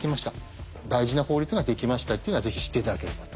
大事な法律ができましたというのはぜひ知って頂ければと。